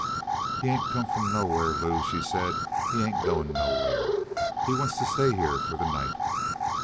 "He ain't come from nowhere, Lou," she said. "He ain't going nowhere; he wants to stay here for the night."